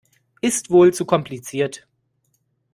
Ist wohl zu kompliziert.